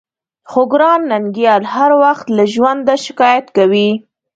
خو ګران ننګيال هر وخت له ژونده شکايت کوي.